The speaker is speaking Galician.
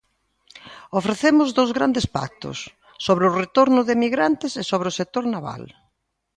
Ofrecemos dous grandes pactos: sobre o retorno de emigrantes e sobre o sector naval.